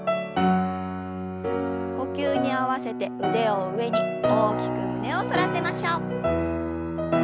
呼吸に合わせて腕を上に大きく胸を反らせましょう。